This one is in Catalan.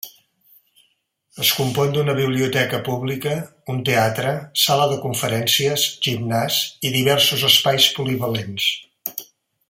Es compon d'una biblioteca pública, un teatre, sala de conferències, gimnàs i diversos espais polivalents.